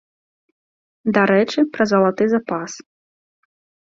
Дарэчы, пра залаты запас.